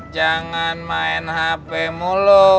jangan main hp mulu